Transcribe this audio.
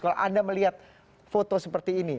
kalau anda melihat foto seperti ini